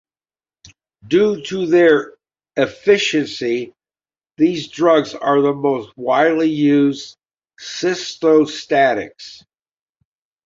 Due to their efficiency, these drugs are the most widely used cytostatics.